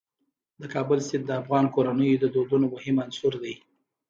د کابل سیند د افغان کورنیو د دودونو مهم عنصر دی.